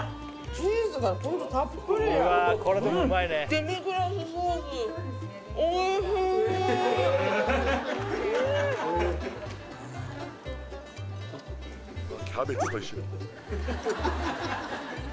チーズがホントたっぷりようんデミグラスソースそうですね